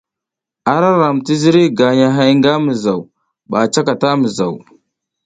Ara ram ti ziriy gagnahay nga mizaw ba a cakatang a mizaw.